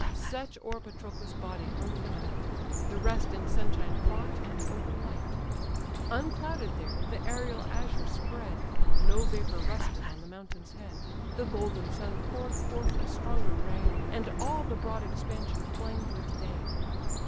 Such o'er Patroclus' body hung the night, The rest in sunshine fought, and open light; Unclouded there, the aerial azure spread, No vapour rested on the mountain's head, The golden sun pour'd forth a stronger ray, And all the broad expansion flamed with day.